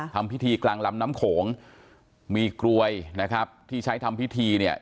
ทำพิธีกลางลำน้ำโขงมีกลวยนะครับที่ใช้ทำพิธีเนี่ย